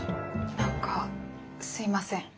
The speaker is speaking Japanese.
何かすいません。